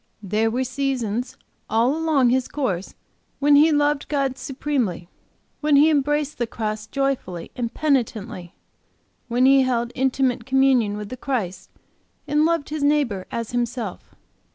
There were seasons, all along his course, when he loved God supremely; when he embraced the cross joyfully and penitently; when he held intimate communion with Christ, and loved his neighbor as himself.